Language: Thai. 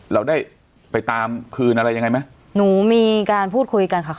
เราได้ไปตามคืนอะไรยังไงไหมหนูมีการพูดคุยกันค่ะ